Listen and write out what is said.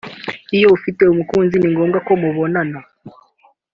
Iyo ufite umukunzi ni ngombwa ko mubonana